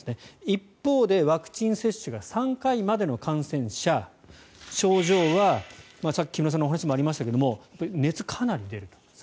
一方でワクチン接種が３回までの感染者症状はさっき木村さんの話にもありましたが熱、かなり出ると。